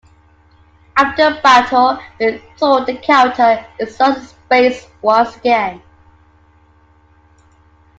After a battle with Thor the character is lost in space once again.